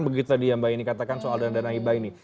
begitu tadi yang mbak yeni katakan soal dana hibah ini